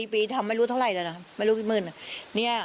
ปีทำแล้วไม่รู้เท่าไหร์เลยนะ